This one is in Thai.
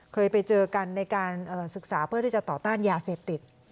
เคยไปเจอกันในการศึกษาเพื่อที่จะต่อต้านยาเสพติด